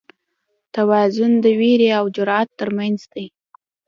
توازن د وېرې او جرئت تر منځ دی.